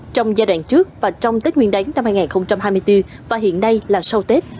trong giai đoạn trước và trong tết nguyên đáng năm hai nghìn hai mươi bốn và hiện nay là sau tết